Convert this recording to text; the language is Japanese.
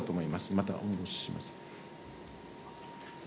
またお戻しします。